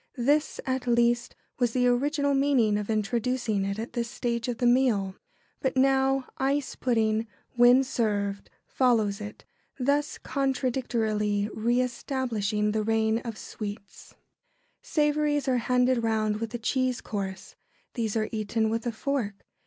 This, at least, was the original meaning of introducing it at this stage of the meal. [Sidenote: Ice pudding.] But now ice pudding, when served, follows it, thus contradictorily re establishing the reign of sweets. [Sidenote: Savouries.] Savouries are handed round with the cheese course. These are eaten with a fork.